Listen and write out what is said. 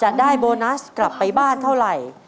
จะได้โบนัสกลับไปบ้านเท่าไหร่